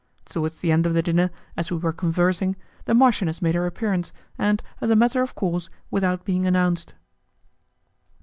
Towards the end of the dinner, as we were conversing, the marchioness made her appearance, and, as a matter of course, without being announced.